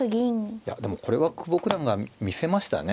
いやでもこれは久保九段が見せましたね。